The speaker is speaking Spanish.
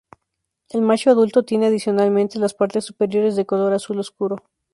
El macho adulto tiene, adicionalmente, las partes superiores de color azul oscuro.